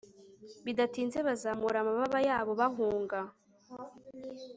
bidatinze bazamura amababa yabo bahunga